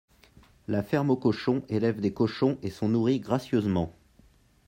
La ferme aux cochons élèvent des cochons et sont nourris gracieusement